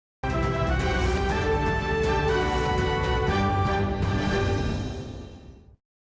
gak dipercaya dia instructed nutrih